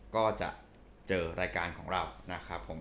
ก็จะเจอรายการของเรา